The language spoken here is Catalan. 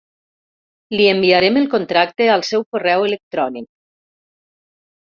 Li enviarem el contracte al seu correu electrònic.